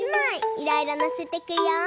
いろいろのせてくよ。